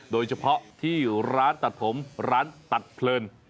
โดยเฉพาะที่ร้านตัดผมร้านตัดเพลิน